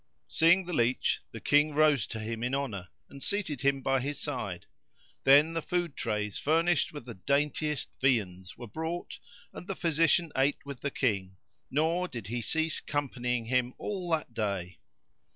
Seeing the leach the King rose to him in honour and seated him by his side; then the food trays furnished with the daintiest viands were brought and the physician ate with the King, nor did he cease companying him all that day.